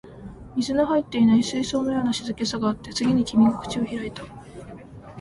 水の入っていない水槽のような静けさがあって、次に君が口を開いた